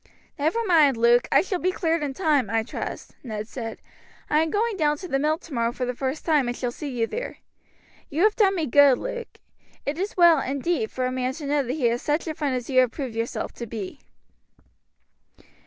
"Never mind, Luke, I shall be cleared in time, I trust," Ned said. "I am going down to the mill tomorrow for the first time, and shall see you there. You have done me good, Luke. It is well, indeed, for a man to know that he has such a friend as you have proved yourself to be."